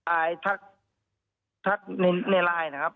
ทักในไลน์นะครับ